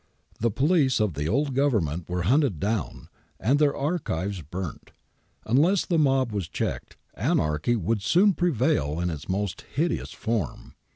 The police of the old Government were hunted down, and their archives burnt. Unless the mob was checked, anarchy would soon prevail in its most hideous form.